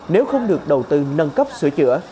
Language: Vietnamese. nếu không được đầu tư nâng cấp sửa chữa